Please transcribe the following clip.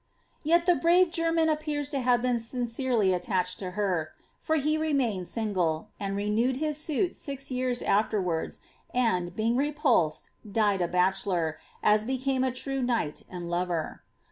*'• Tet the brave German appears to have been sincerely attached to her, for he remained single, and renewed his suit six years afterwards, and, being repulsed, died a bachelor,* as became a true knight and lover.